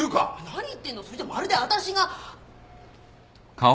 何言ってんのそれじゃまるでわたしが。